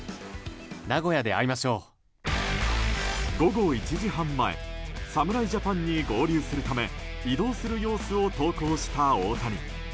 午後１時半前侍ジャパンに合流するため移動する様子を投稿した大谷。